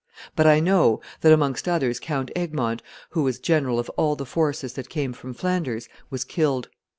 But I know that amongst others Count Egmont, who was general of all the forces that came from Flanders, was killed.